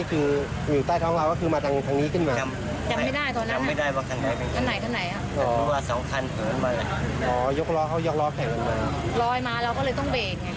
แต่เราไม่ได้ชนมันเลยนะมันชนกันเอง